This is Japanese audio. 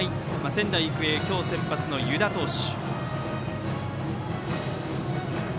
仙台育英、今日先発は湯田投手。